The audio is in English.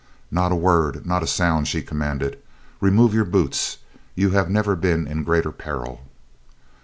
"Not a word, not a sound," she commanded, "remove your boots you have never been in greater peril."